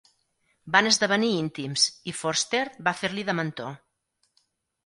Van esdevenir íntims i Forster va fer-li de mentor.